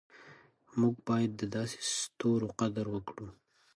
موږ باید د داسې ستورو قدر وکړو.